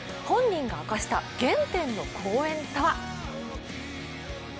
本人が明かした原点の公園とは？